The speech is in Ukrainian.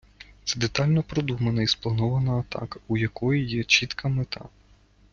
Це детально продумана і спланована атака, у якої є чітка мета.